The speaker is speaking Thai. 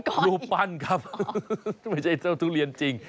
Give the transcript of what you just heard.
อันนี้เป็นรูปปั้นครับไม่ใช่เจ้าทุเรียนจริง